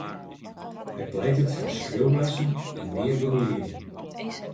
Hy pleitet foar skriuwlessen en mear begelieding.